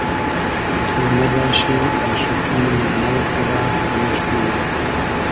تو نئباشی آشوقی مانای خو رۂ پورموشت مونۂ